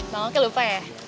bang oki lupa ya